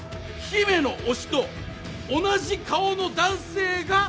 姫の推しと同じ顔の男性が